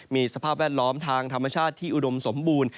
มีสภาพแวดล้อมทางธรรมชาติที่อุดมสมบูรณ์